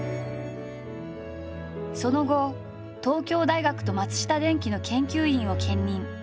その後東京大学と松下電器の研究員を兼任。